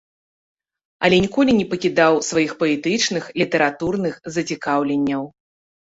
Але ніколі не пакідаў сваіх паэтычных, літаратурных зацікаўленняў.